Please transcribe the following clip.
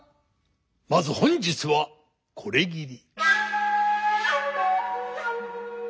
まず本日はこれぎり。